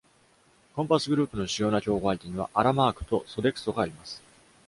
コンパスグループの主要な競合相手には、Aramark と Sodexo があります。